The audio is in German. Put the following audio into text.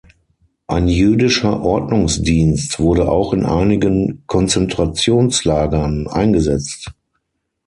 Ein jüdischer Ordnungsdienst wurde auch in einigen Konzentrationslagern eingesetzt.